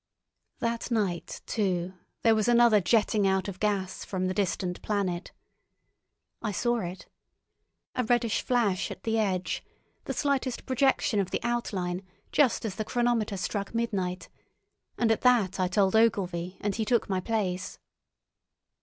That night, too, there was another jetting out of gas from the distant planet. I saw it. A reddish flash at the edge, the slightest projection of the outline just as the chronometer struck midnight; and at that I told Ogilvy and he took my place.